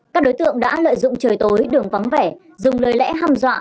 các đối tượng đã lợi dụng trời tối đường vắng vẻ dùng lời lẽ hăm dọa